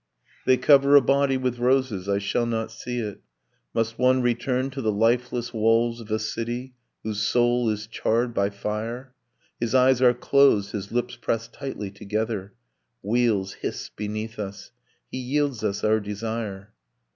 'They cover a body with roses ... I shall not see it ... Must one return to the lifeless walls of a city Whose soul is charred by fire? ...' His eyes are closed, his lips press tightly together. Wheels hiss beneath us. He yields us our desire.